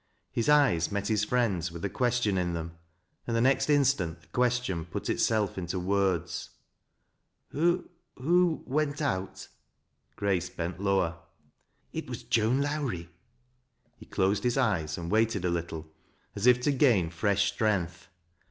His eyes met his friend's with a question in them, and the next in itant the question put itself into words :" Who— went out ?" (Irace bent lower. " It was Joan Lowrie." He closed his eyes and waited a little as if to gain freal strength.